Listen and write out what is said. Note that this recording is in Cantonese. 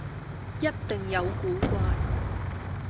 一定有古怪